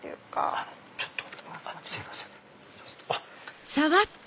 あっすいません。